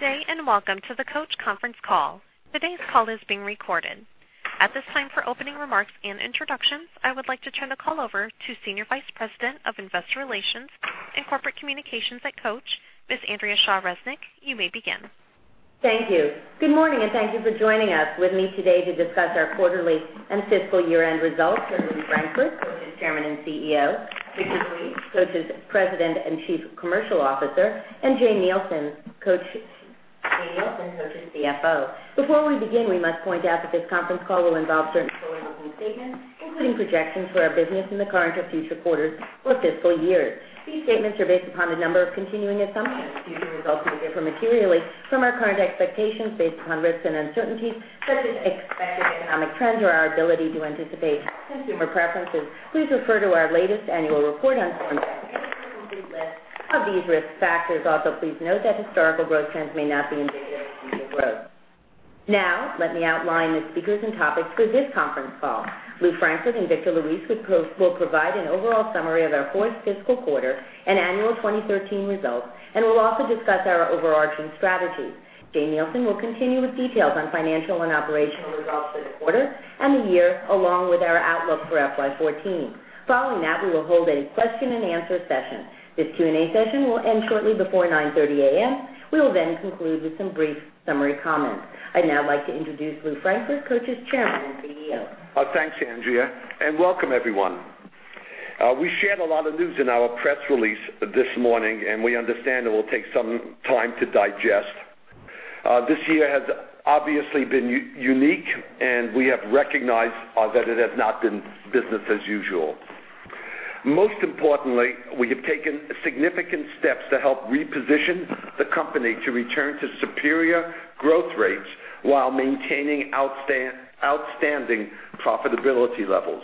Good day, welcome to the Coach conference call. Today's call is being recorded. At this time, for opening remarks and introductions, I would like to turn the call over to Senior Vice President of Investor Relations and Corporate Communications at Coach, Ms. Andrea Shaw Resnick. You may begin. Thank you. Good morning, and thank you for joining us. With me today to discuss our quarterly and fiscal year-end results are Lew Frankfort, Coach's Chairman and CEO, Victor Luis, Coach's President and Chief Commercial Officer, and Jane Nielsen, Coach's CFO. Before we begin, we must point out that this conference call will involve certain forward-looking statements, including projections for our business in the current or future quarters or fiscal years. These statements are based upon a number of continuing assumptions. Future results may differ materially from our current expectations based upon risks and uncertainties, such as expected economic trends or our ability to anticipate consumer preferences. Please refer to our latest annual report on Form 10-K for a complete list of these risk factors. Please note that historical growth trends may not be indicative of future growth. Let me outline the speakers and topics for this conference call. Lew Frankfort and Victor Luis will provide an overall summary of our fourth fiscal quarter and annual 2013 results and will also discuss our overarching strategies. Jane Nielsen will continue with details on financial and operational results for the quarter and the year, along with our outlook for FY 2014. Following that, we will hold a question-and-answer session. This Q&A session will end shortly before 9:30 A.M. We will conclude with some brief summary comments. I'd now like to introduce Lew Frankfort, Coach's Chairman and CEO. Thanks, Andrea, and welcome everyone. We shared a lot of news in our press release this morning, we understand it will take some time to digest. This year has obviously been unique, we have recognized that it has not been business as usual. Most importantly, we have taken significant steps to help reposition the company to return to superior growth rates while maintaining outstanding profitability levels.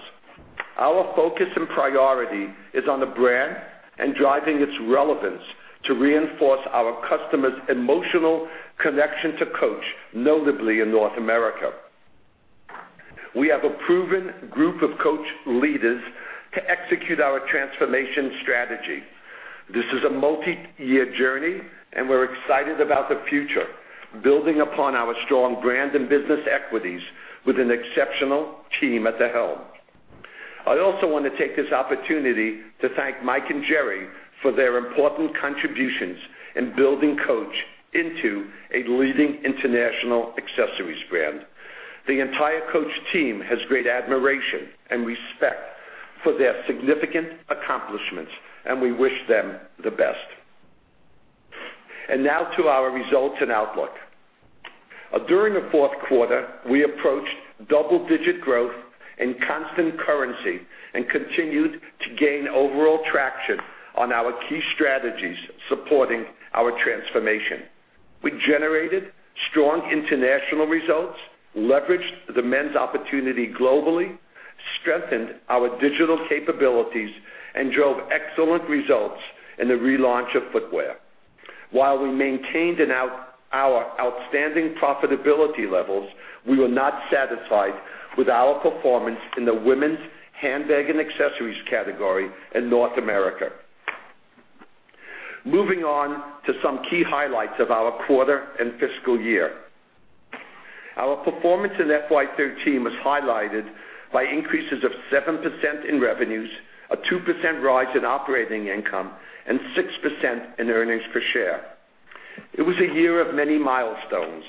Our focus and priority is on the brand and driving its relevance to reinforce our customers' emotional connection to Coach, notably in North America. We have a proven group of Coach leaders to execute our transformation strategy. This is a multi-year journey, we're excited about the future, building upon our strong brand and business equities with an exceptional team at the helm. I also want to take this opportunity to thank Mike and Jerry for their important contributions in building Coach into a leading international accessories brand. The entire Coach team has great admiration and respect for their significant accomplishments, and we wish them the best. Now to our results and outlook. During the fourth quarter, we approached double-digit growth in constant currency and continued to gain overall traction on our key strategies supporting our transformation. We generated strong international results, leveraged the men's opportunity globally, strengthened our digital capabilities, and drove excellent results in the relaunch of footwear. While we maintained our outstanding profitability levels, we were not satisfied with our performance in the women's handbag and accessories category in North America. Moving on to some key highlights of our quarter and fiscal year. Our performance in FY 2013 was highlighted by increases of 7% in revenues, a 2% rise in operating income, and 6% in earnings per share. It was a year of many milestones.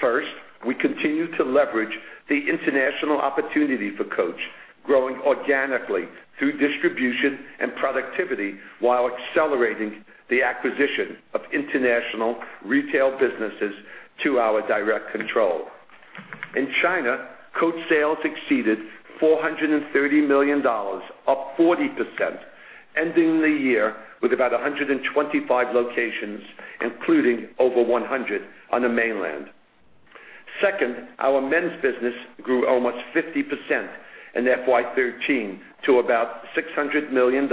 First, we continued to leverage the international opportunity for Coach, growing organically through distribution and productivity while accelerating the acquisition of international retail businesses to our direct control. In China, Coach sales exceeded $430 million, up 40%, ending the year with about 125 locations, including over 100 on the mainland. Second, our men's business grew almost 50% in FY 2013 to about $600 million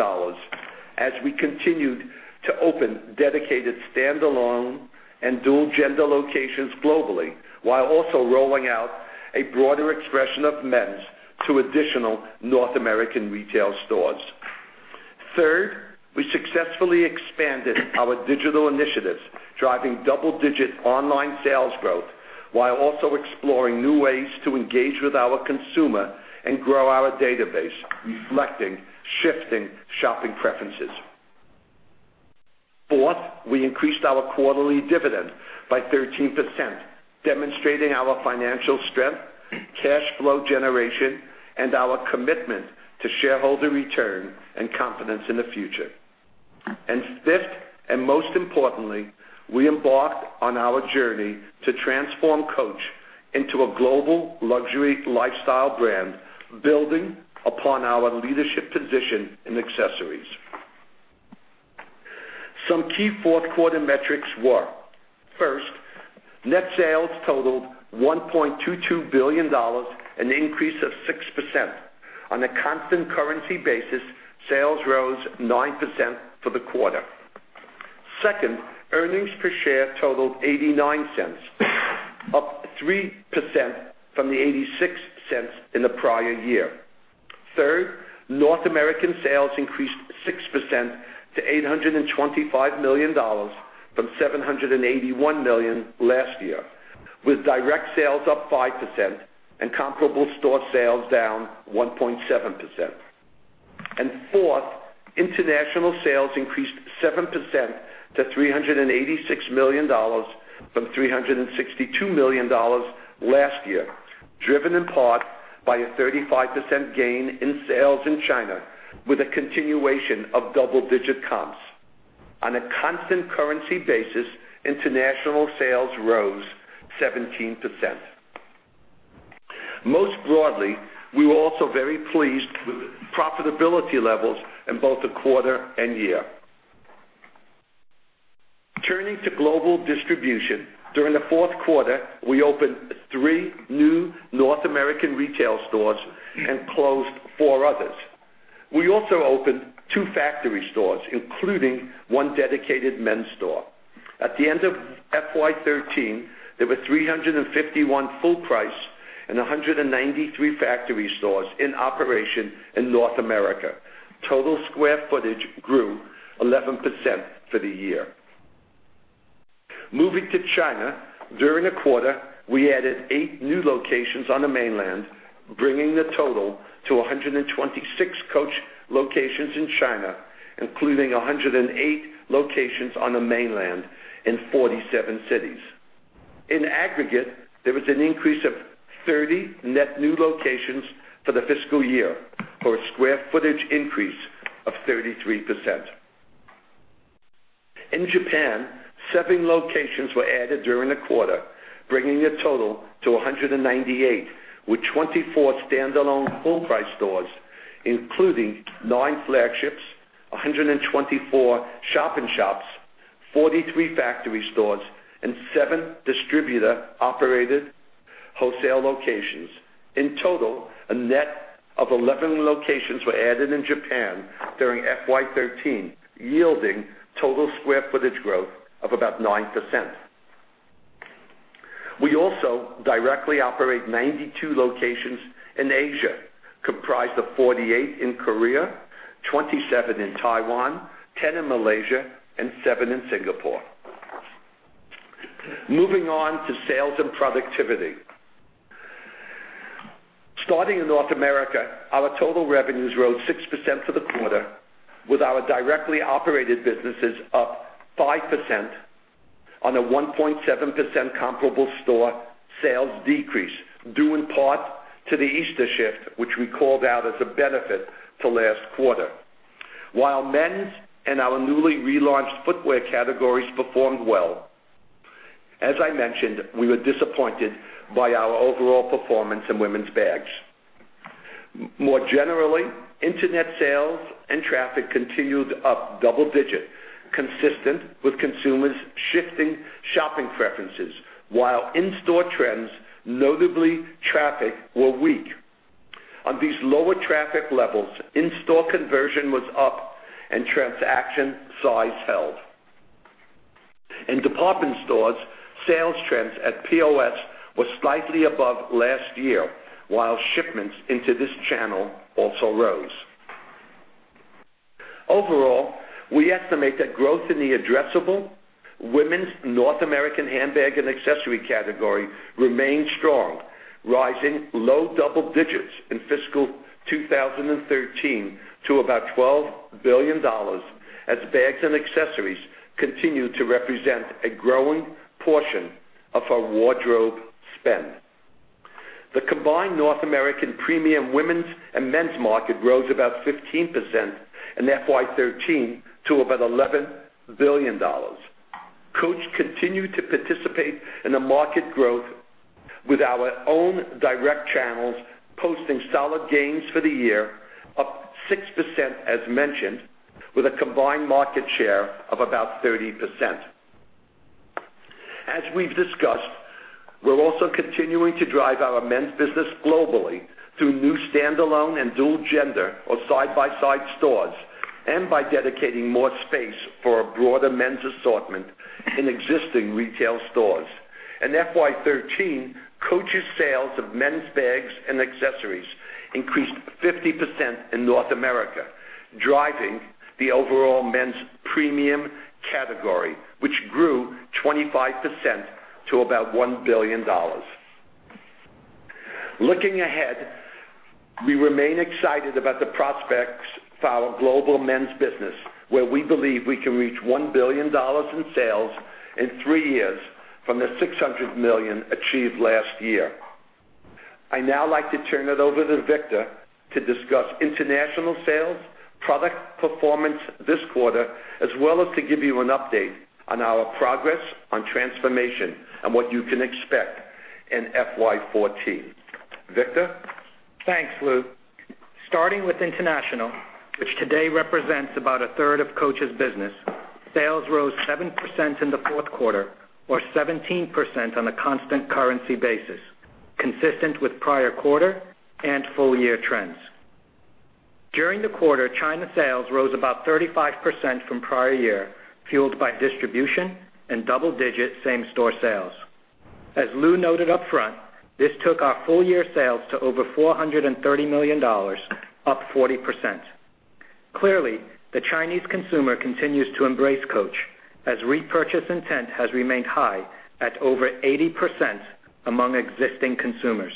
as we continued to open dedicated standalone and dual-gender locations globally while also rolling out a broader expression of men's to additional North American retail stores. Third, we successfully expanded our digital initiatives, driving double-digit online sales growth while also exploring new ways to engage with our consumer and grow our database, reflecting shifting shopping preferences. Fourth, we increased our quarterly dividend by 13%, demonstrating our financial strength, cash flow generation, and our commitment to shareholder return and confidence in the future. Fifth, and most importantly, we embarked on our journey to transform Coach into a global luxury lifestyle brand, building upon our leadership position in accessories. Some key fourth quarter metrics were, first, net sales totaled $1.22 billion, an increase of 6%. On a constant currency basis, sales rose 9% for the quarter. Second, earnings per share totaled $0.89, up 3% from the $0.86 in the prior year. Third, North American sales increased 6% to $825 million from $781 million last year, with direct sales up 5% and comparable store sales down 1.7%. Fourth, international sales increased 7% to $386 million from $362 million last year, driven in part by a 35% gain in sales in China, with a continuation of double-digit comps. On a constant currency basis, international sales rose 17%. Most broadly, we were also very pleased with profitability levels in both the quarter and year. Turning to global distribution, during the fourth quarter, we opened three new North American retail stores and closed four others. We also opened two factory stores, including one dedicated men's store. At the end of FY 2013, there were 351 full price and 193 factory stores in operation in North America. Total square footage grew 11% for the year. Moving to China. During the quarter, we added eight new locations on the mainland, bringing the total to 126 Coach locations in China, including 108 locations on the mainland in 47 cities. In aggregate, there was an increase of 30 net new locations for the fiscal year, for a square footage increase of 33%. In Japan, seven locations were added during the quarter, bringing the total to 198, with 24 standalone full-price stores, including nine flagships, 124 shop-in-shops, 43 factory stores, and seven distributor-operated wholesale locations. In total, a net of 11 locations were added in Japan during FY 2013, yielding total square footage growth of about 9%. We also directly operate 92 locations in Asia, comprised of 48 in Korea, 27 in Taiwan, 10 in Malaysia, and seven in Singapore. Moving on to sales and productivity. Starting in North America, our total revenues rose 6% for the quarter, with our directly operated businesses up 5% on a 1.7% comparable store sales decrease, due in part to the Easter shift, which we called out as a benefit to last quarter. While men's and our newly relaunched footwear categories performed well, as I mentioned, we were disappointed by our overall performance in women's bags. More generally, internet sales and traffic continued up double digits, consistent with consumers' shifting shopping preferences, while in-store trends, notably traffic, were weak. On these lower traffic levels, in-store conversion was up, and transaction size held. In department stores, sales trends at POS were slightly above last year, while shipments into this channel also rose. Overall, we estimate that growth in the addressable women's North American handbag and accessory category remained strong, rising low double digits in fiscal 2013 to about $12 billion as bags and accessories continue to represent a growing portion of our wardrobe spend. The combined North American premium women's and men's market rose about 15% in FY 2013 to about $11 billion. Coach continued to participate in the market growth with our own direct channels, posting solid gains for the year, up 6%, as mentioned, with a combined market share of about 30%. As we've discussed, we're also continuing to drive our men's business globally through new standalone and dual gender or side-by-side stores and by dedicating more space for a broader men's assortment in existing retail stores. In FY 2013, Coach's sales of men's bags and accessories increased 50% in North America, driving the overall men's premium category, which grew 25% to about $1 billion. Looking ahead, we remain excited about the prospects for our global men's business, where we believe we can reach $1 billion in sales in three years from the $600 million achieved last year. I'd now like to turn it over to Victor to discuss international sales, product performance this quarter, as well as to give you an update on our progress on transformation and what you can expect in FY 2014. Victor? Thanks, Lou. Starting with international, which today represents about a third of Coach's business, sales rose 7% in the fourth quarter or 17% on a constant currency basis, consistent with prior quarter and full-year trends. During the quarter, China sales rose about 35% from prior year, fueled by distribution and double-digit same-store sales. As Lou noted upfront, this took our full-year sales to over $430 million, up 40%. Clearly, the Chinese consumer continues to embrace Coach, as repurchase intent has remained high at over 80% among existing consumers.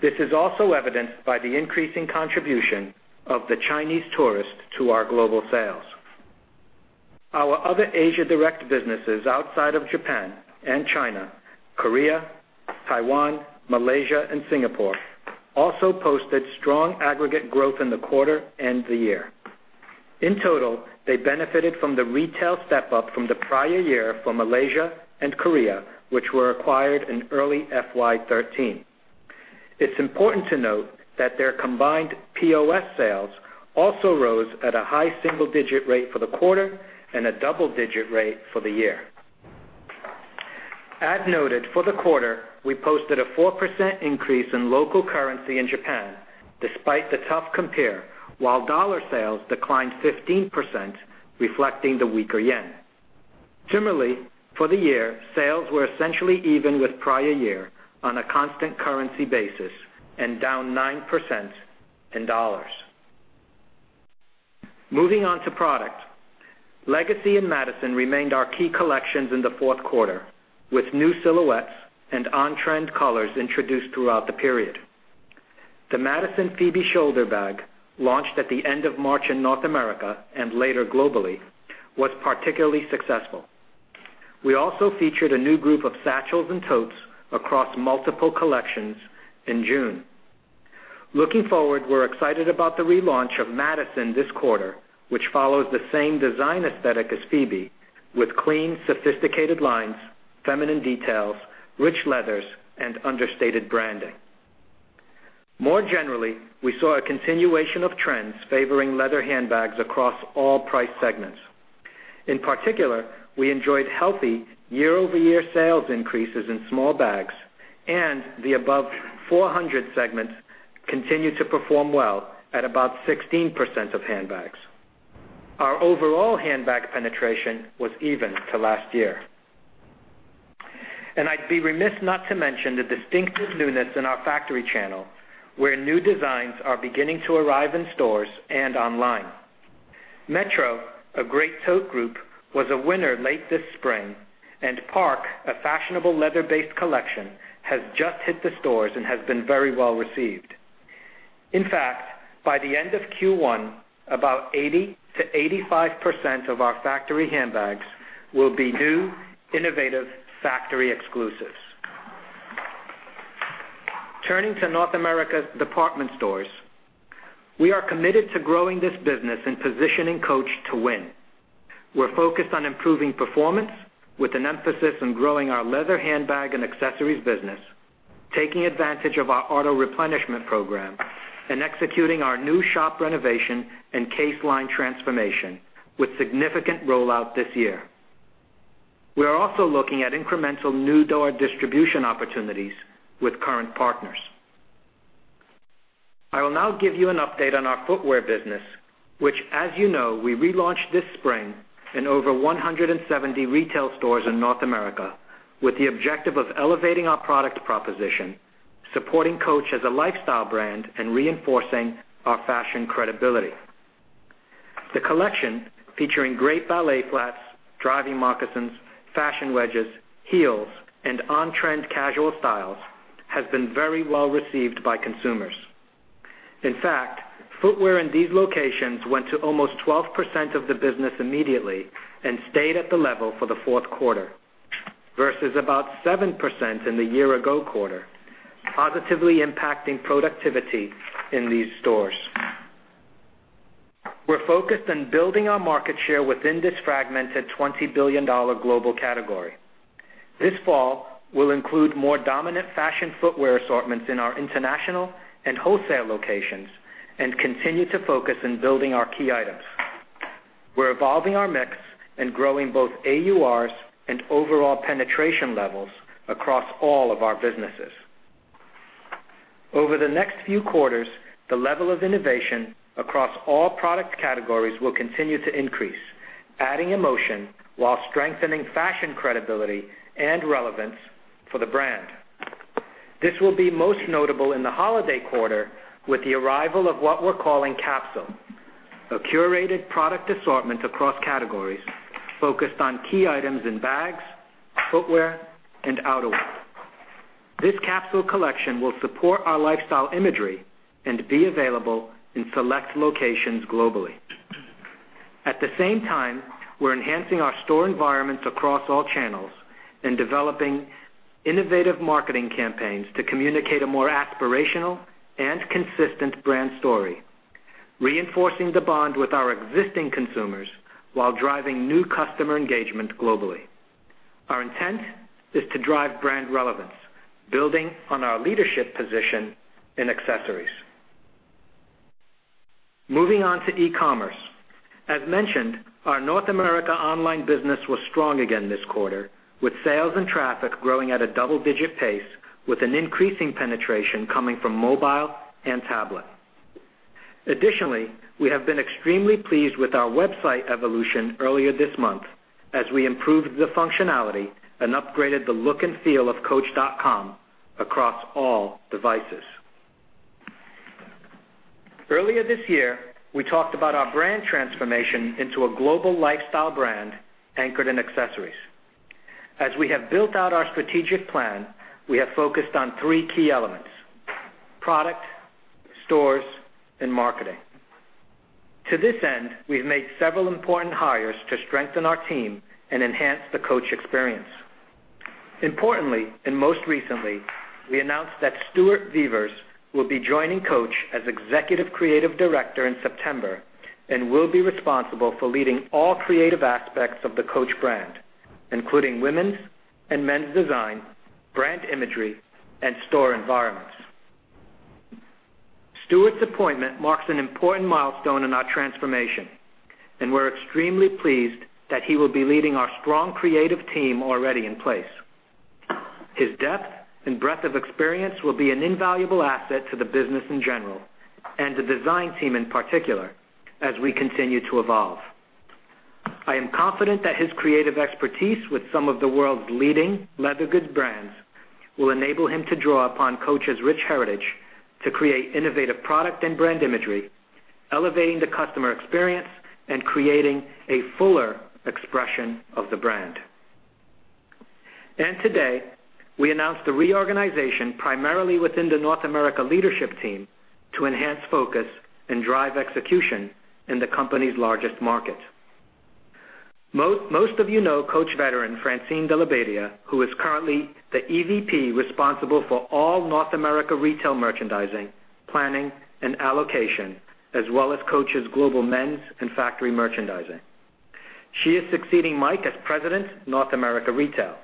This is also evidenced by the increasing contribution of the Chinese tourist to our global sales. Our other Asia direct businesses outside of Japan and China, Korea, Taiwan, Malaysia, and Singapore also posted strong aggregate growth in the quarter and the year. In total, they benefited from the retail step-up from the prior year for Malaysia and Korea, which were acquired in early FY 2013. It's important to note that their combined POS sales also rose at a high single-digit rate for the quarter and a double-digit rate for the year. As noted, for the quarter, we posted a 4% increase in local currency in Japan despite the tough compare, while dollar sales declined 15%, reflecting the weaker yen. Similarly, for the year, sales were essentially even with prior year on a constant currency basis and down 9% in dollars. Moving on to product. Legacy and Madison remained our key collections in the fourth quarter, with new silhouettes and on-trend colors introduced throughout the period. The Madison Phoebe shoulder bag, launched at the end of March in North America and later globally, was particularly successful. We also featured a new group of satchels and totes across multiple collections in June. Looking forward, we're excited about the relaunch of Madison this quarter, which follows the same design aesthetic as Phoebe with clean, sophisticated lines, feminine details, rich leathers, and understated branding. More generally, we saw a continuation of trends favoring leather handbags across all price segments. In particular, we enjoyed healthy year-over-year sales increases in small bags, and the above 400 segments continued to perform well at about 16% of handbags. Our overall handbag penetration was even to last year. I'd be remiss not to mention the distinctive newness in our factory channel, where new designs are beginning to arrive in stores and online. Metro, a great tote group, was a winner late this spring, and Park, a fashionable leather-based collection, has just hit the stores and has been very well received. In fact, by the end of Q1, about 80%-85% of our factory handbags will be new, innovative factory exclusives. Turning to North America's department stores. We are committed to growing this business and positioning Coach to win. We're focused on improving performance with an emphasis on growing our leather handbag and accessories business, taking advantage of our auto-replenishment program, and executing our new shop renovation and case line transformation with significant rollout this year. We are also looking at incremental new door distribution opportunities with current partners. I will now give you an update on our footwear business, which, as you know, we relaunched this spring in over 170 retail stores in North America with the objective of elevating our product proposition, supporting Coach as a lifestyle brand, and reinforcing our fashion credibility. The collection, featuring great ballet flats, driving moccasins, fashion wedges, heels, and on-trend casual styles, has been very well received by consumers. In fact, footwear in these locations went to almost 12% of the business immediately and stayed at the level for the fourth quarter, versus about 7% in the year-ago quarter, positively impacting productivity in these stores. We are focused on building our market share within this fragmented $20 billion global category. This fall, we will include more dominant fashion footwear assortments in our international and wholesale locations and continue to focus on building our key items. We are evolving our mix and growing both AURs and overall penetration levels across all of our businesses. Over the next few quarters, the level of innovation across all product categories will continue to increase, adding emotion while strengthening fashion credibility and relevance for the brand. This will be most notable in the holiday quarter with the arrival of what we are calling Capsule, a curated product assortment across categories focused on key items in bags, footwear, and outerwear. This Capsule collection will support our lifestyle imagery and be available in select locations globally. At the same time, we are enhancing our store environments across all channels and developing innovative marketing campaigns to communicate a more aspirational and consistent brand story, reinforcing the bond with our existing consumers while driving new customer engagement globally. Our intent is to drive brand relevance, building on our leadership position in accessories. Moving on to e-commerce. As mentioned, our North America online business was strong again this quarter, with sales and traffic growing at a double-digit pace with an increasing penetration coming from mobile and tablet. Additionally, we have been extremely pleased with our website evolution earlier this month, as we improved the functionality and upgraded the look and feel of coach.com across all devices. Earlier this year, we talked about our brand transformation into a global lifestyle brand anchored in accessories. As we have built out our strategic plan, we have focused on three key elements, product, stores, and marketing. To this end, we have made several important hires to strengthen our team and enhance the Coach experience. Importantly, and most recently, we announced that Stuart Vevers will be joining Coach as Executive Creative Director in September, and will be responsible for leading all creative aspects of the Coach brand, including women's and men's design, brand imagery, and store environments. Stuart's appointment marks an important milestone in our transformation, and we are extremely pleased that he will be leading our strong creative team already in place. His depth and breadth of experience will be an invaluable asset to the business in general, and the design team in particular, as we continue to evolve. I am confident that his creative expertise with some of the world's leading leather goods brands will enable him to draw upon Coach's rich heritage to create innovative product and brand imagery, elevating the customer experience, and creating a fuller expression of the brand. Today, we announce the reorganization primarily within the North America leadership team to enhance focus and drive execution in the company's largest market. Most of you know Coach veteran Francine Della Badia, who is currently the EVP responsible for all North America retail merchandising, planning, and allocation, as well as Coach's global men's and factory merchandising. She is succeeding Mike as President, North America Retail.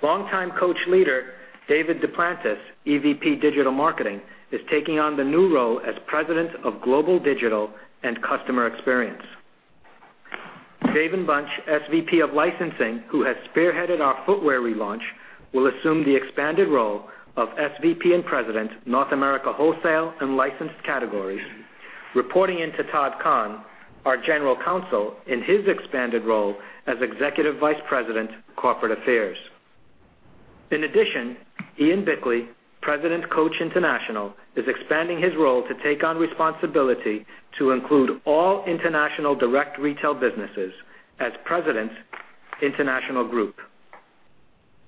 Long-time Coach leader David Duplantis, EVP Digital Marketing, is taking on the new role as President of Global Digital and Customer Experience. David Bunch, SVP of Licensing, who has spearheaded our footwear relaunch, will assume the expanded role of SVP and President, North America Wholesale and Licensed Categories, reporting into Todd Kahn, our General Counsel, in his expanded role as Executive Vice President, Corporate Affairs. In addition, Ian Bickley, President, Coach International, is expanding his role to take on responsibility to include all international direct retail businesses as President, International Group.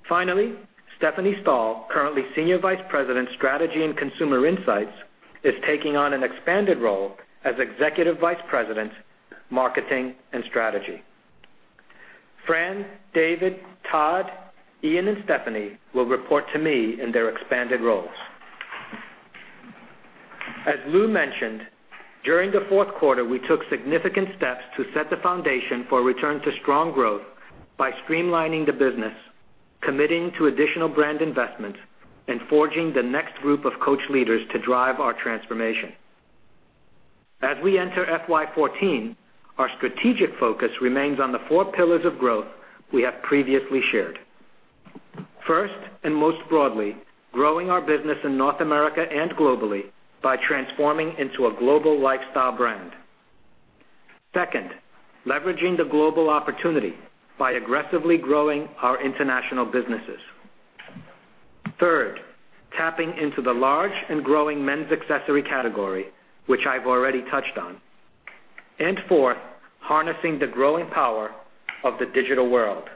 Finally, Stephanie Stahl, currently Senior Vice President, Strategy and Consumer Insights, is taking on an expanded role as Executive Vice President, Marketing and Strategy. Fran, David, Todd, Ian, and Stephanie will report to me in their expanded roles. As Lew mentioned, during the fourth quarter, we took significant steps to set the foundation for a return to strong growth by streamlining the business, committing to additional brand investments, and forging the next group of Coach leaders to drive our transformation. As we enter FY 2014, our strategic focus remains on the four pillars of growth we have previously shared. First, and most broadly, growing our business in North America and globally by transforming into a global lifestyle brand. Second, leveraging the global opportunity by aggressively growing our international businesses. Third, tapping into the large and growing men's accessory category, which I've already touched on. Fourth, harnessing the growing power of the digital world.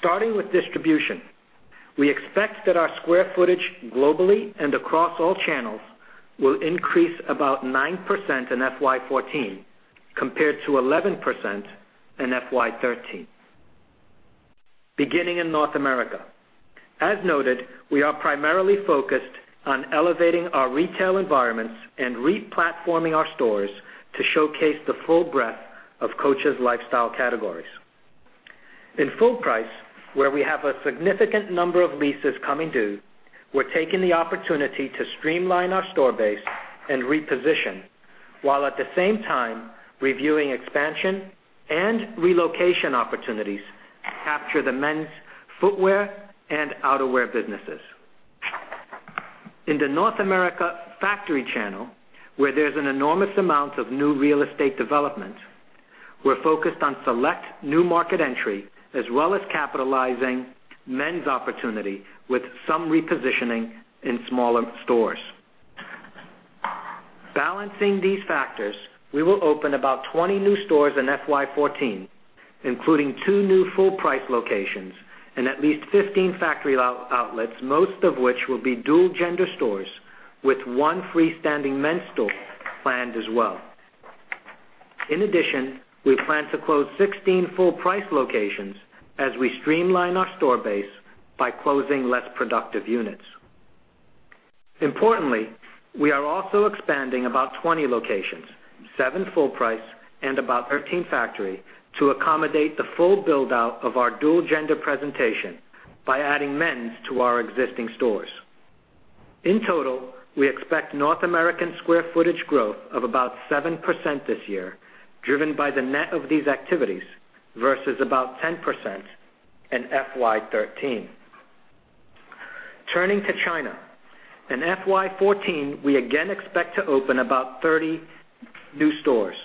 Starting with distribution, we expect that our square footage globally and across all channels will increase about 9% in FY 2014 compared to 11% in FY 2013. Beginning in North America. As noted, we are primarily focused on elevating our retail environments and re-platforming our stores to showcase the full breadth of Coach's lifestyle categories. In full price, where we have a significant number of leases coming due, we're taking the opportunity to streamline our store base and reposition, while at the same time reviewing expansion and relocation opportunities to capture the men's footwear and outerwear businesses. In the North America factory channel, where there's an enormous amount of new real estate development, we're focused on select new market entry, as well as capitalizing men's opportunity with some repositioning in smaller stores. Balancing these factors, we will open about 20 new stores in FY 2014, including two new full-price locations and at least 15 factory outlets, most of which will be dual-gender stores with one freestanding men's store planned as well. In addition, we plan to close 16 full-price locations as we streamline our store base by closing less productive units. Importantly, we are also expanding about 20 locations, seven full-price and about 13 factory, to accommodate the full build-out of our dual-gender presentation by adding men's to our existing stores. In total, we expect North American square footage growth of about 7% this year, driven by the net of these activities versus about 10% in FY 2013. Turning to China. In FY 2014, we again expect to open about 30 new stores,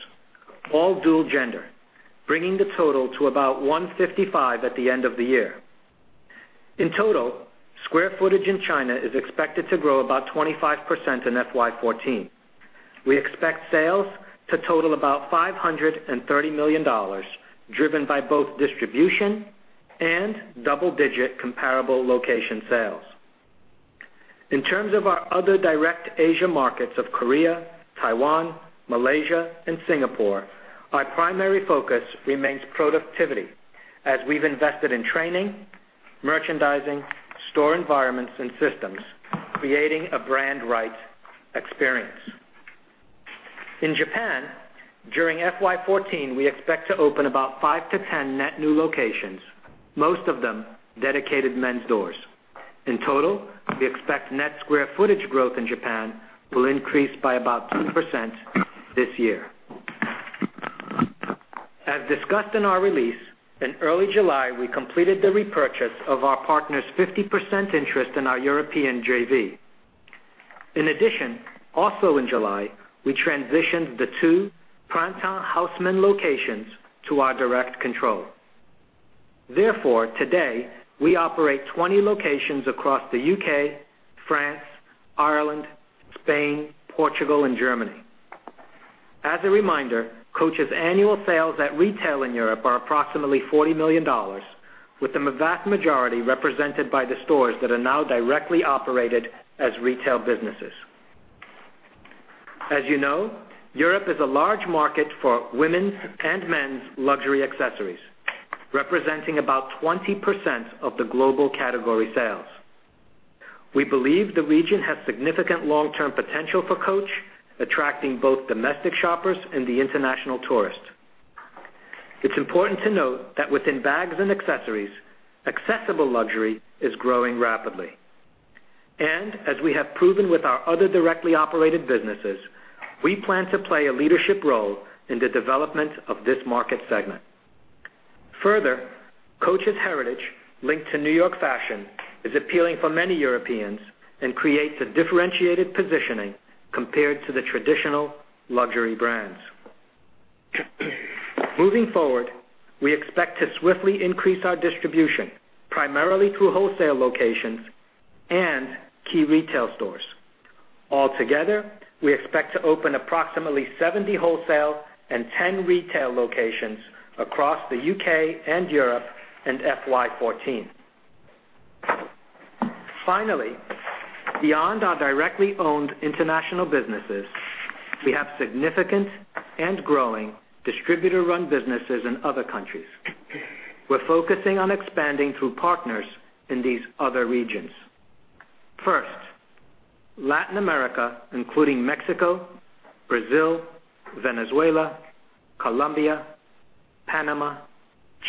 all dual-gender, bringing the total to about 155 at the end of the year. In total, square footage in China is expected to grow about 25% in FY 2014. We expect sales to total about $530 million, driven by both distribution and double-digit comparable location sales. Today, we operate 20 locations across the U.K., France, Ireland, Spain, Portugal, and Germany. In terms of our other direct Asia markets of Korea, Taiwan, Malaysia, and Singapore, our primary focus remains productivity as we've invested in training, merchandising, store environments, and systems, creating a brand right experience. In Japan, during FY 2014, we expect to open about 5-10 net new locations, most of them dedicated men's stores. In total, we expect net square footage growth in Japan will increase by about 2% this year. As discussed in our release, in early July, we completed the repurchase of our partner's 50% interest in our European JV. In addition, also in July, we transitioned the two Printemps Haussmann locations to our direct control. As a reminder, Coach's annual sales at retail in Europe are approximately $40 million, with the vast majority represented by the stores that are now directly operated as retail businesses. As you know, Europe is a large market for women's and men's luxury accessories, representing about 20% of the global category sales. We believe the region has significant long-term potential for Coach, attracting both domestic shoppers and the international tourist. It's important to note that within bags and accessories, accessible luxury is growing rapidly. As we have proven with our other directly operated businesses, we plan to play a leadership role in the development of this market segment. Further, Coach's heritage, linked to New York fashion, is appealing for many Europeans and creates a differentiated positioning compared to the traditional luxury brands. Moving forward, we expect to swiftly increase our distribution, primarily through wholesale locations and key retail stores. Altogether, we expect to open approximately 70 wholesale and 10 retail locations across the U.K. and Europe in FY 2014. Finally, beyond our directly owned international businesses, we have significant and growing distributor-run businesses in other countries. We're focusing on expanding through partners in these other regions. First, Latin America, including Mexico, Brazil, Venezuela, Colombia, Panama,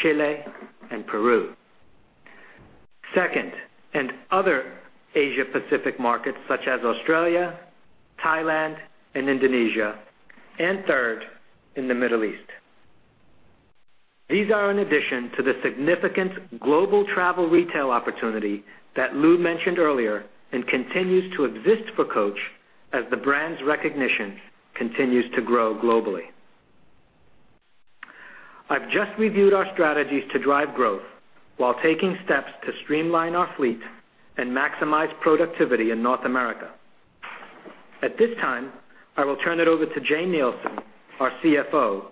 Chile, and Peru. Second, other Asia Pacific markets such as Australia, Thailand, and Indonesia. Third, in the Middle East. These are in addition to the significant global travel retail opportunity that Lew mentioned earlier and continues to exist for Coach as the brand's recognition continues to grow globally. I've just reviewed our strategies to drive growth while taking steps to streamline our fleet and maximize productivity in North America. At this time, I will turn it over to Jane Nielsen, our CFO,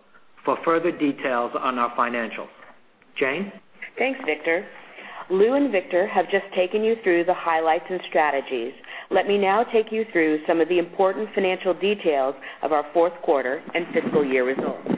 for further details on our financials. Jane? Thanks, Victor. Lew and Victor have just taken you through the highlights and strategies. Let me now take you through some of the important financial details of our fourth quarter and fiscal year results.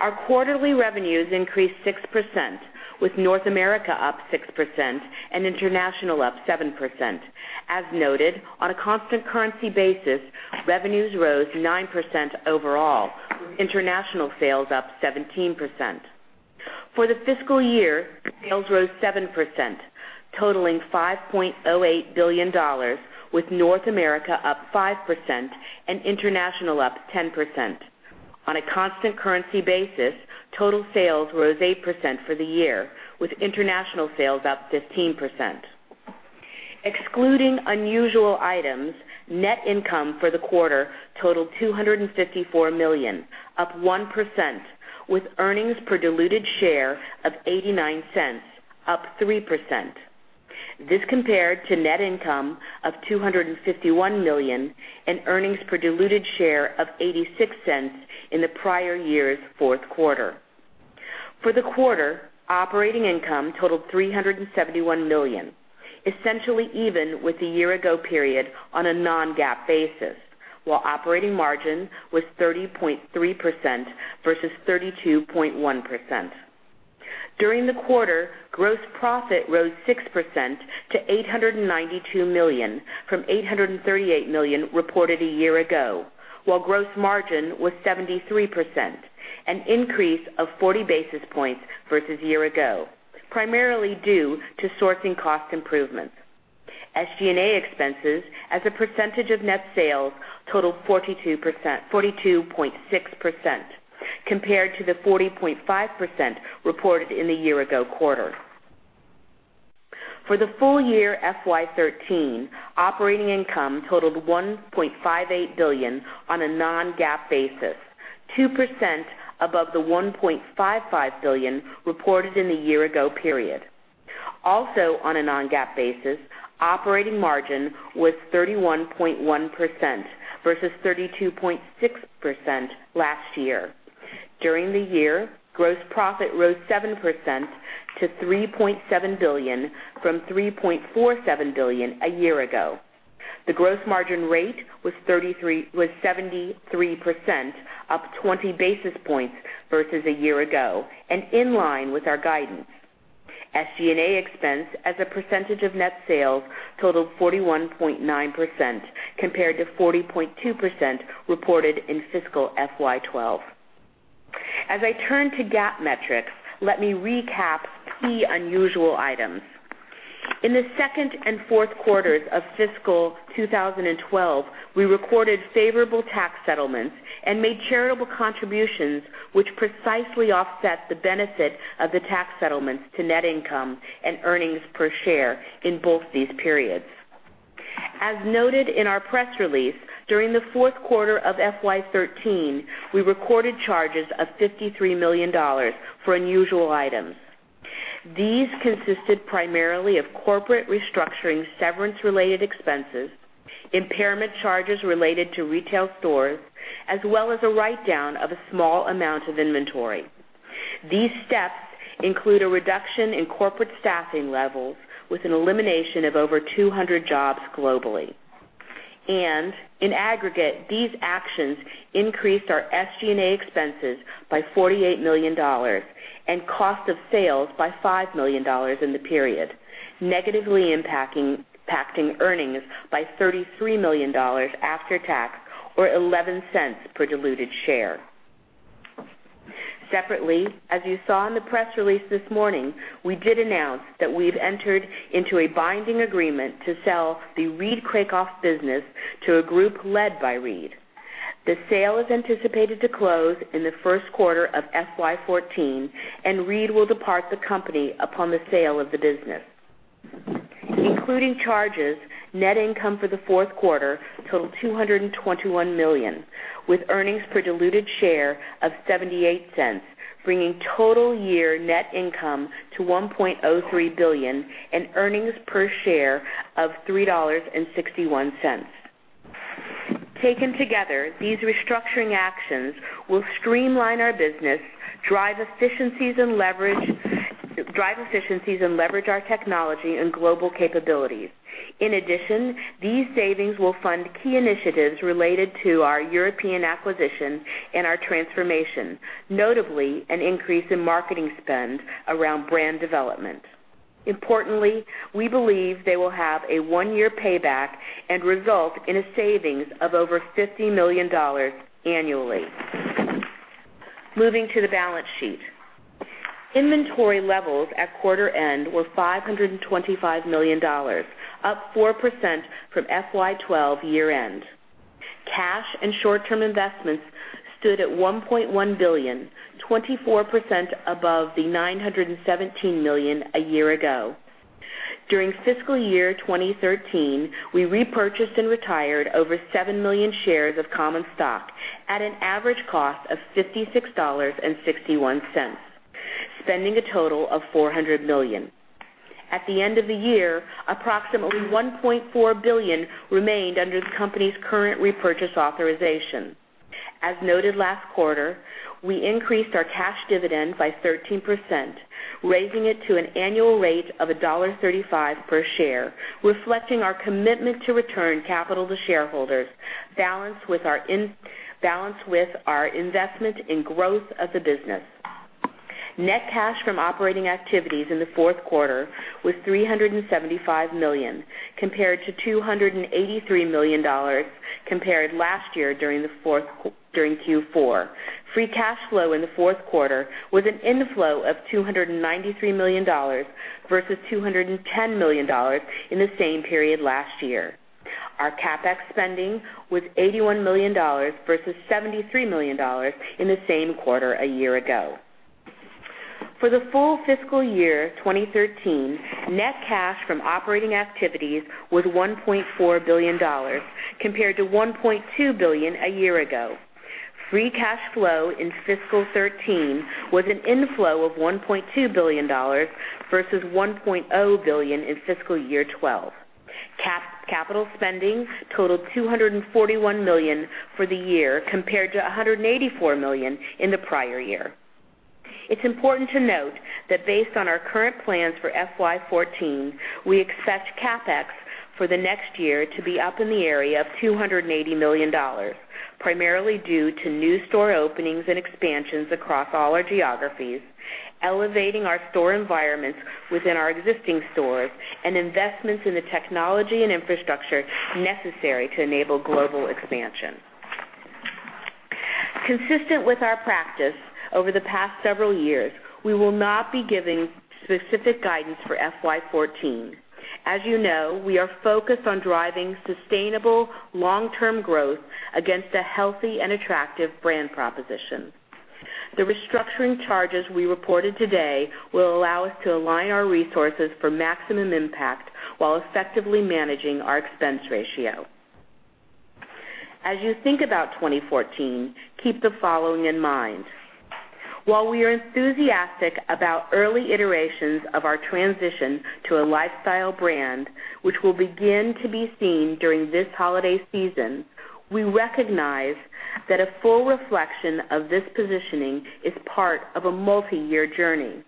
Our quarterly revenues increased 6%, with North America up 6% and international up 7%. As noted, on a constant currency basis, revenues rose 9% overall, international sales up 17%. For the fiscal year, sales rose 7%, totaling $5.08 billion, with North America up 5% and international up 10%. On a constant currency basis, total sales rose 8% for the year, with international sales up 15%. Excluding unusual items, net income for the quarter totaled $254 million, up 1%, with earnings per diluted share of $0.89, up 3%. This compared to net income of $251 million and earnings per diluted share of $0.86 in the prior year's fourth quarter. For the quarter, operating income totaled $371 million, essentially even with the year-ago period on a non-GAAP basis, while operating margin was 30.3% versus 32.1%. During the quarter, gross profit rose 6% to $892 million from $838 million reported a year ago, while gross margin was 73%, an increase of 40 basis points versus year ago, primarily due to sourcing cost improvements. SG&A expenses as a percentage of net sales totaled 42.6%, compared to the 40.5% reported in the year-ago quarter. For the full year FY 2013, operating income totaled $1.58 billion on a non-GAAP basis, 2% above the $1.55 billion reported in the year-ago period. Also, on a non-GAAP basis, operating margin was 31.1% versus 32.6% last year. During the year, gross profit rose 7% to $3.7 billion from $3.47 billion a year ago. The gross margin rate was 73%, up 20 basis points versus a year ago, and in line with our guidance. SG&A expense as a percentage of net sales totaled 41.9%, compared to 40.2% reported in fiscal FY 2012. As I turn to GAAP metrics, let me recap key unusual items. In the second and fourth quarters of fiscal 2012, we recorded favorable tax settlements and made charitable contributions, which precisely offset the benefit of the tax settlements to net income and earnings per share in both these periods. As noted in our press release, during the fourth quarter of FY 2013, we recorded charges of $53 million for unusual items. These consisted primarily of corporate restructuring, severance-related expenses, impairment charges related to retail stores, as well as a write-down of a small amount of inventory. These steps include a reduction in corporate staffing levels with an elimination of over 200 jobs globally. In aggregate, these actions increased our SG&A expenses by $48 million and cost of sales by $5 million in the period, negatively impacting earnings by $33 million after tax or $0.11 per diluted share. Separately, as you saw in the press release this morning, we did announce that we've entered into a binding agreement to sell the Reed Krakoff business to a group led by Reed. The sale is anticipated to close in the first quarter of FY 2014, and Reed will depart the company upon the sale of the business. Including charges, net income for the fourth quarter totaled $221 million, with earnings per diluted share of $0.78, bringing total year net income to $1.03 billion and earnings per share of $3.61. Taken together, these restructuring actions will streamline our business, drive efficiencies, and leverage our technology and global capabilities. In addition, these savings will fund key initiatives related to our European acquisition and our transformation, notably an increase in marketing spend around brand development. Importantly, we believe they will have a one-year payback and result in a savings of over $50 million annually. Moving to the balance sheet. Inventory levels at quarter end were $525 million, up 4% from FY 2012 year end. Cash and short-term investments stood at $1.1 billion, 24% above the $917 million a year ago. During fiscal year 2013, we repurchased and retired over 7 million shares of common stock at an average cost of $56.61, spending a total of $400 million. At the end of the year, approximately $1.4 billion remained under the company's current repurchase authorization. As noted last quarter, we increased our cash dividend by 13%, raising it to an annual rate of $1.35 per share, reflecting our commitment to return capital to shareholders, balanced with our investment in growth of the business. Net cash from operating activities in the fourth quarter was $375 million compared to $283 million compared last year during Q4. Free cash flow in the fourth quarter was an inflow of $293 million versus $210 million in the same period last year. Our CapEx spending was $81 million versus $73 million in the same quarter a year ago. For the full fiscal year 2013, net cash from operating activities was $1.4 billion compared to $1.2 billion a year ago. Free cash flow in fiscal 2013 was an inflow of $1.2 billion versus $1.0 billion in fiscal year 2012. Capital spending totaled $241 million for the year, compared to $184 million in the prior year. It's important to note that based on our current plans for FY 2014, we expect CapEx for the next year to be up in the area of $280 million, primarily due to new store openings and expansions across all our geographies, elevating our store environments within our existing stores, and investments in the technology and infrastructure necessary to enable global expansion. Consistent with our practice over the past several years, we will not be giving specific guidance for FY 2014. As you know, we are focused on driving sustainable long-term growth against a healthy and attractive brand proposition. The restructuring charges we reported today will allow us to align our resources for maximum impact while effectively managing our expense ratio. As you think about 2014, keep the following in mind. While we are enthusiastic about early iterations of our transition to a lifestyle brand, which will begin to be seen during this holiday season, we recognize that a full reflection of this positioning is part of a multi-year journey.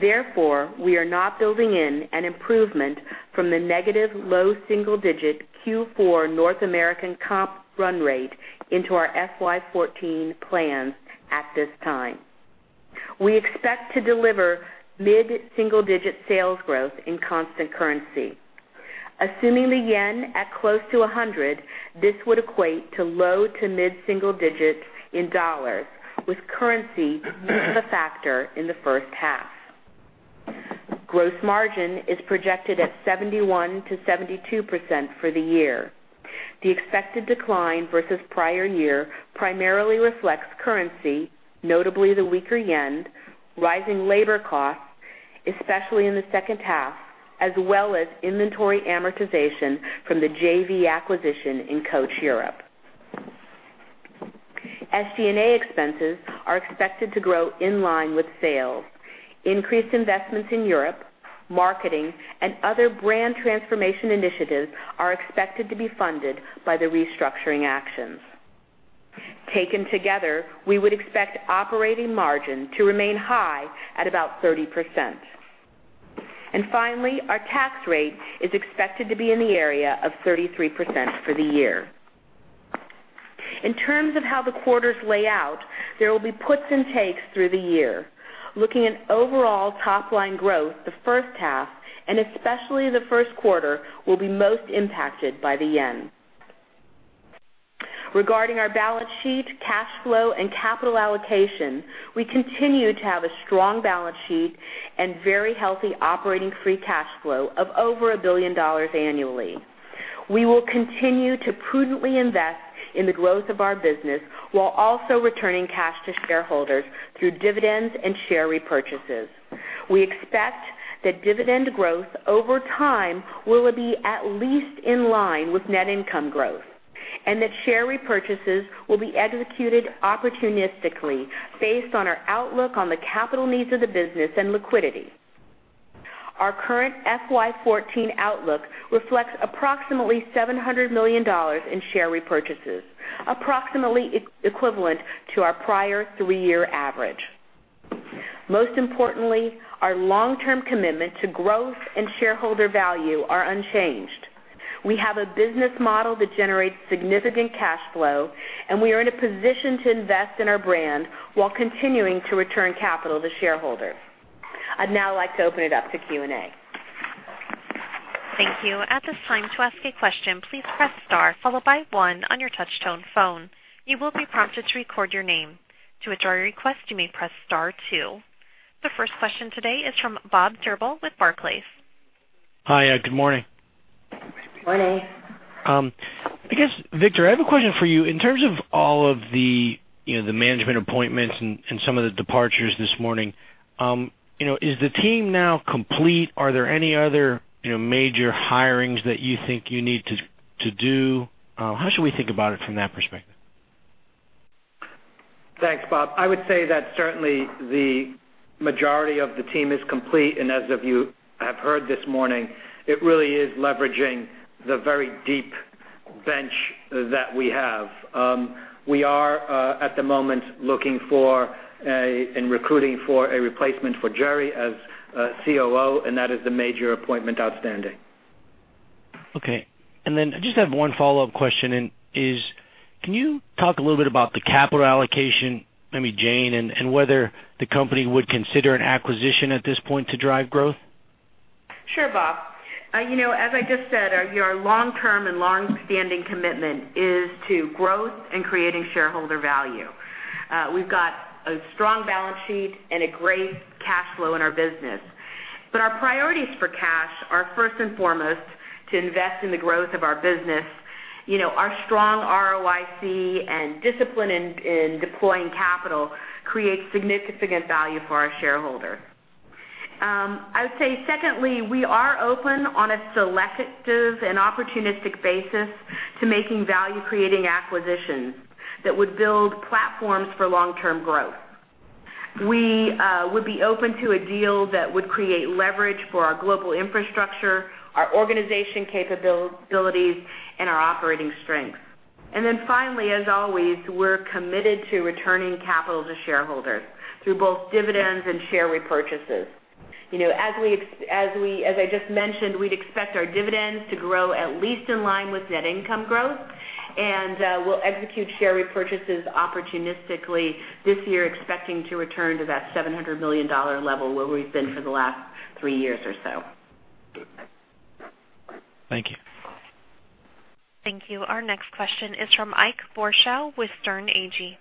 Therefore, we are not building in an improvement from the negative low single digit Q4 North American comp run rate into our FY 2014 plans at this time. We expect to deliver mid-single-digit sales growth in constant currency. Assuming the yen at close to 100, this would equate to low to mid-single digit in dollars with currency as a factor in the first half. Gross margin is projected at 71%-72% for the year. The expected decline versus prior year primarily reflects currency, notably the weaker yen, rising labor costs, especially in the second half, as well as inventory amortization from the JV acquisition in Coach Europe. SG&A expenses are expected to grow in line with sales. Increased investments in Europe, marketing, and other brand transformation initiatives are expected to be funded by the restructuring actions. Taken together, we would expect operating margin to remain high at about 30%. Finally, our tax rate is expected to be in the area of 33% for the year. In terms of how the quarters lay out, there will be puts and takes through the year. Looking at overall top-line growth the first half, and especially the first quarter, will be most impacted by the yen. Regarding our balance sheet, cash flow, and capital allocation, we continue to have a strong balance sheet and very healthy operating free cash flow of over $1 billion annually. We will continue to prudently invest in the growth of our business while also returning cash to shareholders through dividends and share repurchases. We expect that dividend growth over time will be at least in line with net income growth, and that share repurchases will be executed opportunistically based on our outlook on the capital needs of the business and liquidity. Our current FY 2014 outlook reflects approximately $700 million in share repurchases, approximately equivalent to our prior three-year average. Most importantly, our long-term commitment to growth and shareholder value are unchanged. We have a business model that generates significant cash flow, and we are in a position to invest in our brand while continuing to return capital to shareholders. I'd now like to open it up to Q&A. Thank you. At this time, to ask a question, please press star followed by one on your touch-tone phone. You will be prompted to record your name. To withdraw your request, you may press star two. The first question today is from Bob Drbul with Barclays. Hi. Good morning. Morning. I guess, Victor, I have a question for you. In terms of all of the management appointments and some of the departures this morning, is the team now complete? Are there any other major hirings that you think you need to do? How should we think about it from that perspective? Thanks, Bob. I would say that certainly the majority of the team is complete, as of you have heard this morning, it really is leveraging the very deep bench that we have. We are, at the moment, looking for and recruiting for a replacement for Jerry as COO. That is the major appointment outstanding. Okay. Then I just have one follow-up question. Can you talk a little bit about the capital allocation, maybe Jane, whether the company would consider an acquisition at this point to drive growth? Sure, Bob. As I just said, our long-term and longstanding commitment is to growth and creating shareholder value. We've got a strong balance sheet and a great cash flow in our business. Our priorities for cash are first and foremost to invest in the growth of our business. Our strong ROIC and discipline in deploying capital creates significant value for our shareholders. I would say, secondly, we are open on a selective and opportunistic basis to making value-creating acquisitions that would build platforms for long-term growth. We would be open to a deal that would create leverage for our global infrastructure, our organization capabilities, and our operating strengths. Then finally, as always, we're committed to returning capital to shareholders through both dividends and share repurchases. As I just mentioned, we'd expect our dividends to grow at least in line with net income growth. We'll execute share repurchases opportunistically this year expecting to return to that $700 million level where we've been for the last three years or so. Thank you. Thank you. Our next question is from Ike Boruchow with Sterne Agee.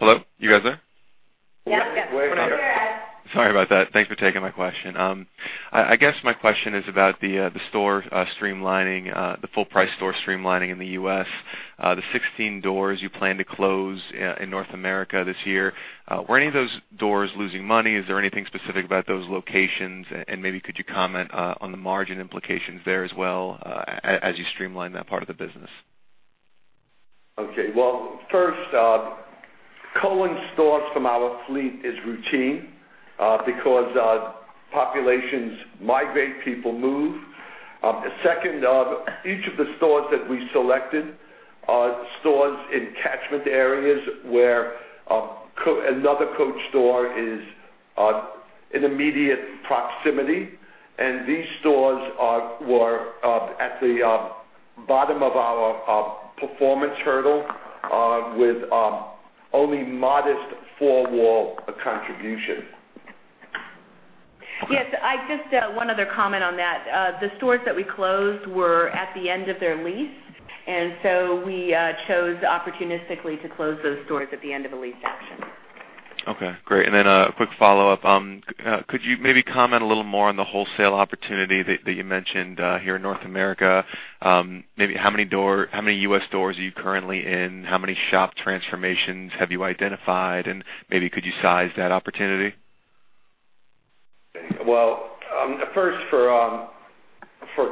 Hello? You guys there? Yes. We can hear you. Sorry about that. Thanks for taking my question. I guess my question is about the full-price store streamlining in the U.S. The 16 doors you plan to close in North America this year. Were any of those doors losing money? Is there anything specific about those locations? Maybe could you comment on the margin implications there as well, as you streamline that part of the business? Okay. Well, first, culling stores from our fleet is routine because populations migrate, people move. Second, each of the stores that we selected are stores in catchment areas where another Coach store is in immediate proximity. These stores were at the bottom of our performance hurdle with only modest four-wall contribution. Yes, Ike, just one other comment on that. The stores that we closed were at the end of their lease, and so we chose opportunistically to close those stores at the end of a lease action. Okay, great. A quick follow-up. Could you maybe comment a little more on the wholesale opportunity that you mentioned here in North America? Maybe how many U.S. stores are you currently in? How many shop transformations have you identified, and maybe could you size that opportunity? Well, first for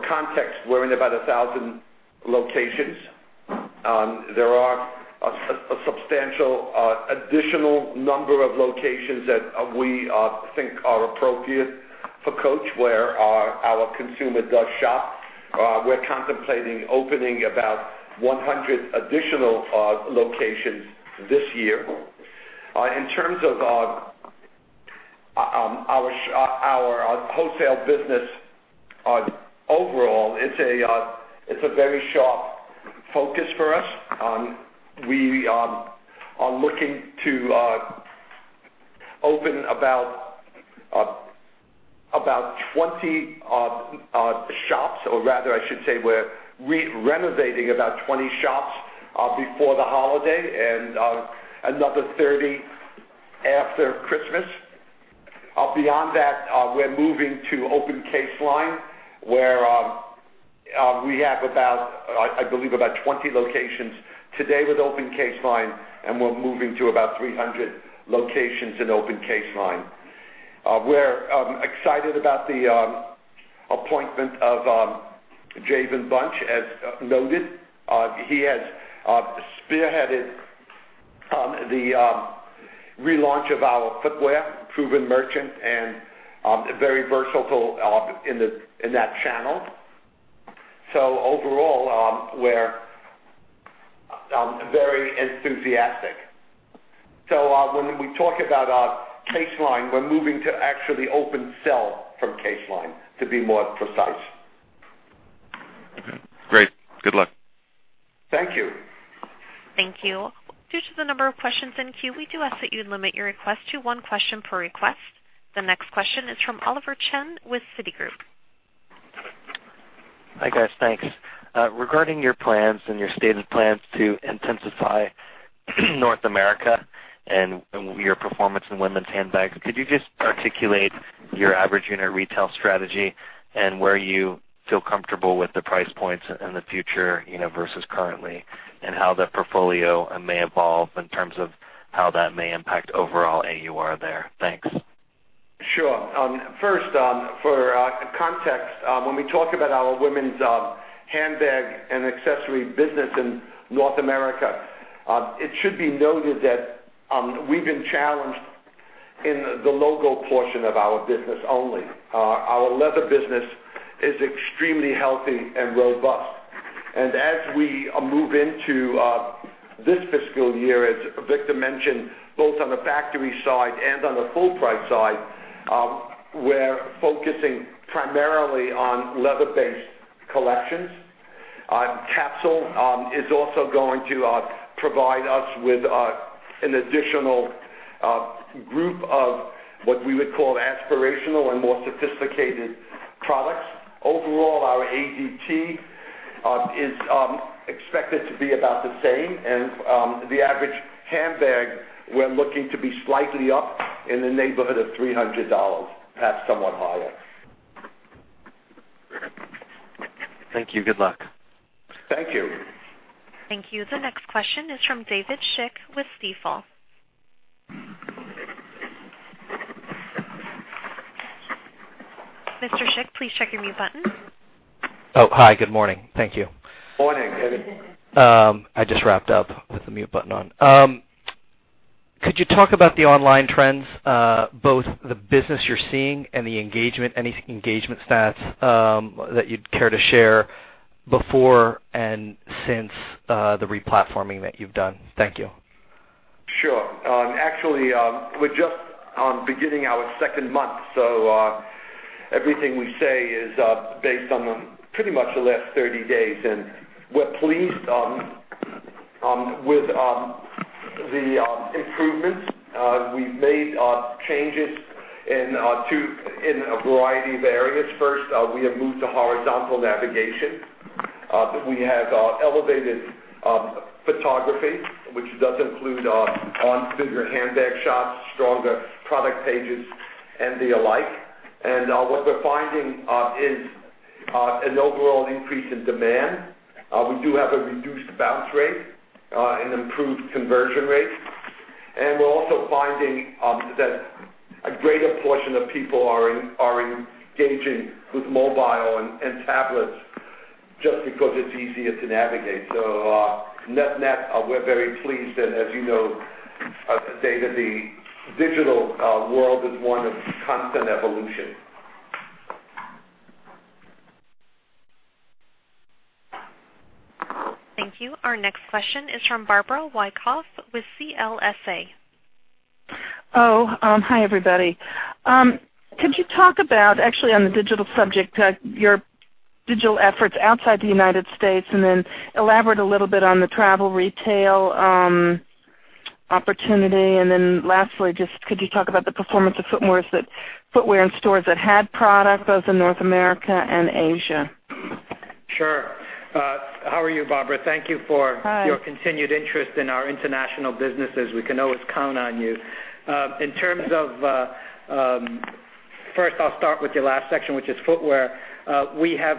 context, we're in about 1,000 locations. There are a substantial additional number of locations that we think are appropriate for Coach, where our consumer does shop. We're contemplating opening about 100 additional locations this year. In terms of our wholesale business overall, it's a very sharp focus for us. We are looking to open about 20 shops, or rather, I should say we're renovating about 20 shops before the holiday and another 30 after Christmas. Beyond that, we're moving to open case line, where we have, I believe, about 20 locations today with open case line, and we're moving to about 300 locations in open case line. We're excited about the appointment of Javen Bunch as noted. He has spearheaded the relaunch of our footwear, proven merchant, and very versatile in that channel. Overall, we're very enthusiastic. When we talk about case line, we're moving to actually open sell from case line to be more precise. Okay, great. Good luck. Thank you. Thank you. Due to the number of questions in queue, we do ask that you limit your request to one question per request. The next question is from Oliver Chen with Citigroup. Hi guys, thanks. Regarding your plans and your stated plans to intensify North America and your performance in women's handbags, could you just articulate your average unit retail strategy and where you feel comfortable with the price points in the future versus currently, and how the portfolio may evolve in terms of how that may impact overall AUR there? Thanks. Sure. First, for context, when we talk about our women's handbag and accessory business in North America, it should be noted that we've been challenged in the logo portion of our business only. Our leather business is extremely healthy and robust. As we move into this fiscal year, as Victor mentioned, both on the factory side and on the full price side, we're focusing primarily on leather-based collections. Capsule is also going to provide us with an additional group of what we would call aspirational and more sophisticated products. Overall, our ADT is expected to be about the same, and the average handbag, we're looking to be slightly up in the neighborhood of $300, perhaps somewhat higher. Thank you. Good luck. Thank you. Thank you. The next question is from David Schick with Stifel. Mr. Schick, please check your mute button. Oh, hi. Good morning. Thank you. Morning, David. I just wrapped up with the mute button on. Could you talk about the online trends, both the business you're seeing and any engagement stats that you'd care to share before and since the re-platforming that you've done? Thank you. Sure. Actually, we're just beginning our second month, so everything we say is based on pretty much the last 30 days. We're pleased with the improvements, we've made changes in a variety of areas. First, we have moved to horizontal navigation. We have elevated photography, which does include on-figure handbag shots, stronger product pages, and the like. What we're finding is an overall increase in demand. We do have a reduced bounce rate, an improved conversion rate. We're also finding that a greater portion of people are engaging with mobile and tablets just because it's easier to navigate. Net-net, we're very pleased. As you know, David, the digital world is one of constant evolution. Thank you. Our next question is from Barbara Wyckoff with CLSA. Hi, everybody. Could you talk about, actually, on the digital subject, your digital efforts outside the U.S., and then elaborate a little bit on the travel retail opportunity. Lastly, just could you talk about the performance of footwear in stores that had product, both in North America and Asia? Sure. How are you, Barbara? Thank you for Hi your continued interest in our international businesses. We can always count on you. First, I'll start with your last section, which is footwear. We have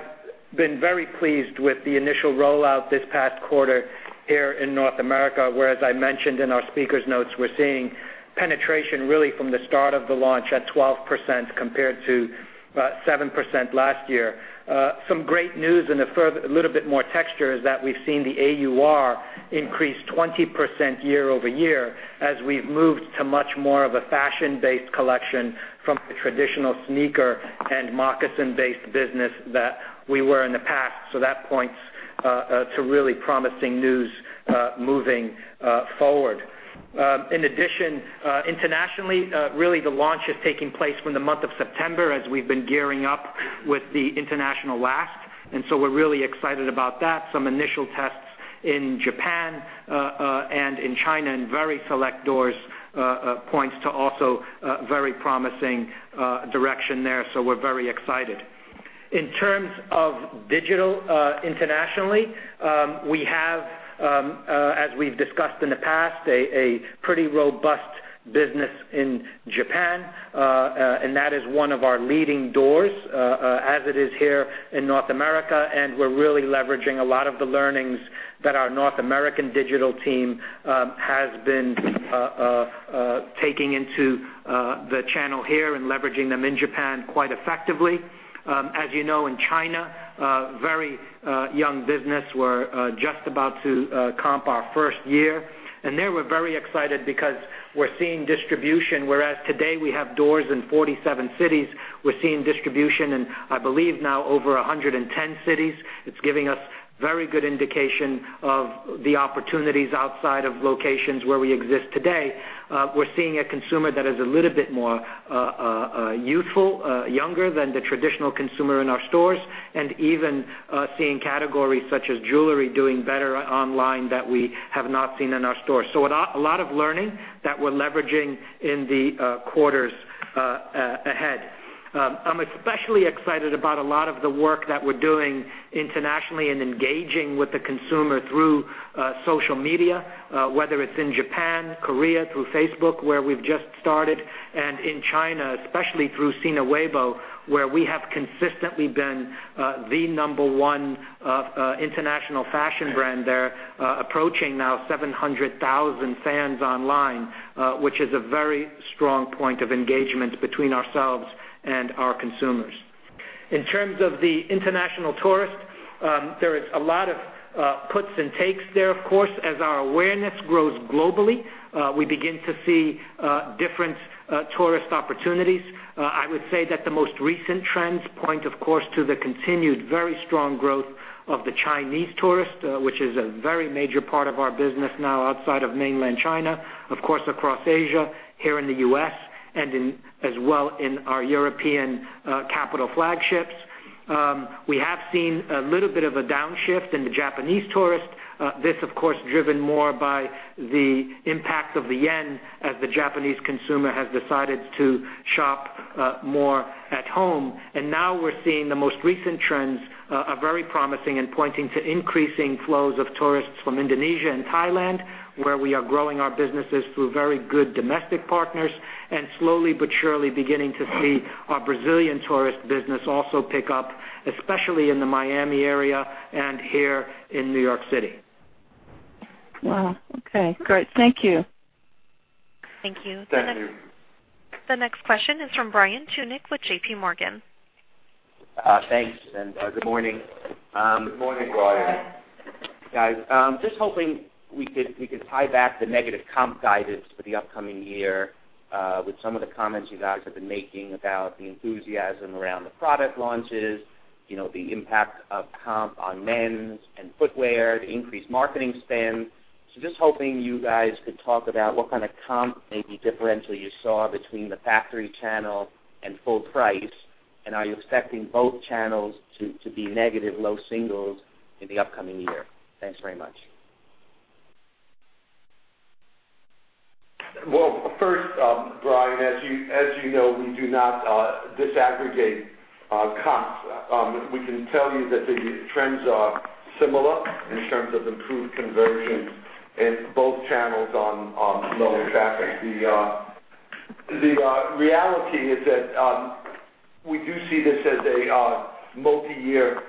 been very pleased with the initial rollout this past quarter here in North America, where, as I mentioned in our speaker's notes, we're seeing penetration really from the start of the launch at 12% compared to 7% last year. Some great news and a little bit more texture is that we've seen the AUR increase 20% year-over-year as we've moved to much more of a fashion-based collection from the traditional sneaker and moccasin-based business that we were in the past. That points to really promising news moving forward. In addition, internationally, really the launch is taking place from the month of September as we've been gearing up with the international last, we're really excited about that. Some initial tests in Japan and in China in very select doors points to also a very promising direction there. We're very excited. In terms of digital internationally, we have, as we've discussed in the past, a pretty robust business in Japan, and that is one of our leading doors, as it is here in North America, and we're really leveraging a lot of the learnings that our North American digital team has been taking into the channel here and leveraging them in Japan quite effectively. As you know, in China, a very young business. We're just about to comp our first year. There, we're very excited because we're seeing distribution, whereas today we have doors in 47 cities. We're seeing distribution in, I believe now, over 110 cities. It's giving us very good indication of the opportunities outside of locations where we exist today. We're seeing a consumer that is a little bit more youthful, younger than the traditional consumer in our stores, and even seeing categories such as jewelry doing better online that we have not seen in our stores. A lot of learning that we're leveraging in the quarters ahead. I'm especially excited about a lot of the work that we're doing internationally and engaging with the consumer through social media, whether it's in Japan, Korea, through Facebook, where we've just started, and in China, especially through Sina Weibo, where we have consistently been the number one international fashion brand there, approaching now 700,000 fans online, which is a very strong point of engagement between ourselves and our consumers. In terms of the international tourist, there is a lot of puts and takes there, of course. As our awareness grows globally, we begin to see different tourist opportunities. I would say that the most recent trends point, of course, to the continued very strong growth of the Chinese tourist, which is a very major part of our business now outside of Mainland China, of course, across Asia, here in the U.S., and as well in our European capital flagships. We have seen a little bit of a downshift in the Japanese tourist. This, of course, driven more by the impact of the yen as the Japanese consumer has decided to shop more at home. Now we're seeing the most recent trends are very promising and pointing to increasing flows of tourists from Indonesia and Thailand, where we are growing our businesses through very good domestic partners, and slowly but surely beginning to see our Brazilian tourist business also pick up, especially in the Miami area and here in New York City. Wow. Okay, great. Thank you. Thank you. Thank you. The next question is from Brian Tunick with J.P. Morgan. Thanks, good morning. Good morning, Brian. Guys, just hoping we could tie back the negative comp guidance for the upcoming year with some of the comments you guys have been making about the enthusiasm around the product launches, the impact of comp on men's and footwear, the increased marketing spend. Just hoping you guys could talk about what kind of comp, maybe differential you saw between the factory channel and full price Are you expecting both channels to be negative low singles in the upcoming year? Thanks very much. Well, first, Brian, as you know, we do not disaggregate comps. We can tell you that the trends are similar in terms of improved conversions in both channels on lower traffic. The reality is that we do see this as a multi-year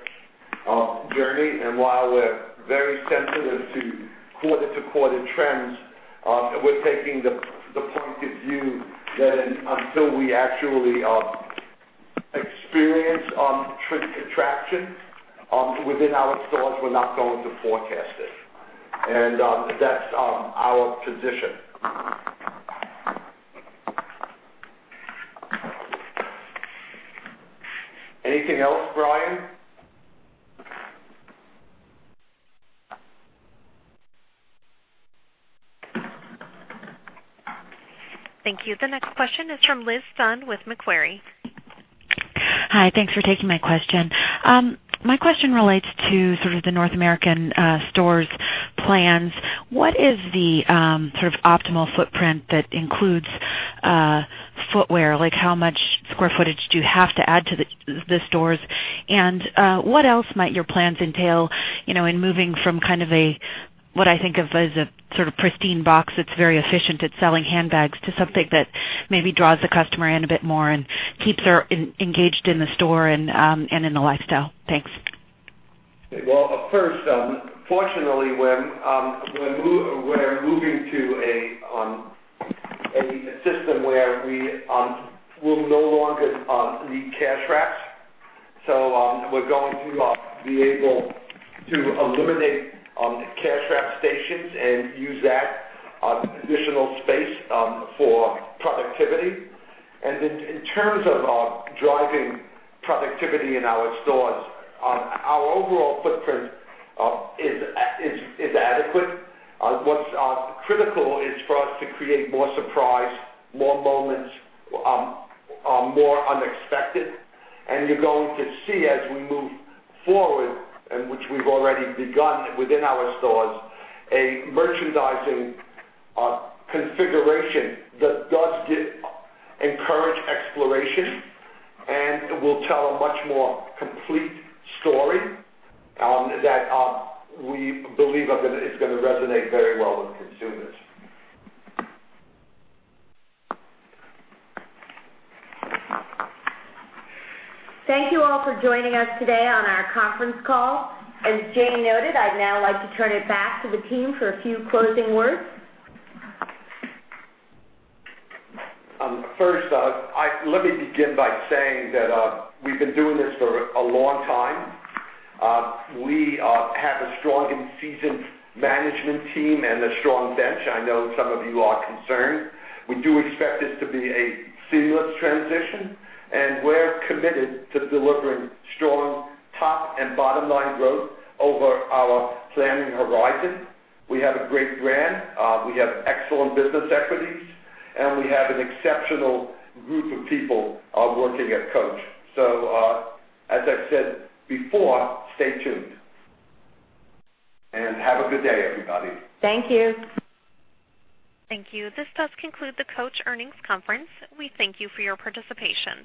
journey, and while we're very sensitive to quarter-to-quarter trends, we're taking the point of view that until we actually experience traffic contraction within our stores, we're not going to forecast it. That's our position. Anything else, Brian? Thank you. The next question is from Liz Dunn with Macquarie. Hi. Thanks for taking my question. My question relates to sort of the North American stores plans. What is the sort of optimal footprint that includes footwear? How much square footage do you have to add to the stores? What else might your plans entail in moving from kind of a, what I think of as a sort of pristine box that's very efficient at selling handbags to something that maybe draws the customer in a bit more and keeps her engaged in the store and in the lifestyle? Thanks. Well, first, fortunately, we're moving to a system where we will no longer need cash wraps. We're going to be able to eliminate cash wrap stations and use that additional space for productivity. In terms of driving productivity in our stores, our overall footprint is adequate. What's critical is for us to create more surprise, more moments, more unexpected. You're going to see as we move forward, and which we've already begun within our stores, a merchandising configuration that does encourage exploration and will tell a much more complete story that we believe is going to resonate very well with consumers. Thank you all for joining us today on our conference call. As Jane noted, I'd now like to turn it back to the team for a few closing words. First, let me begin by saying that we've been doing this for a long time. We have a strong and seasoned management team and a strong bench. I know some of you are concerned. We do expect this to be a seamless transition. We're committed to delivering strong top and bottom line growth over our planning horizon. We have a great brand. We have excellent business equities, and we have an exceptional group of people working at Coach. As I've said before, stay tuned. Have a good day, everybody. Thank you. Thank you. This does conclude the Coach earnings conference. We thank you for your participation.